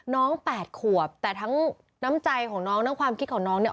แปดขวบแต่ทั้งน้ำใจของน้องทั้งความคิดของน้องเนี่ย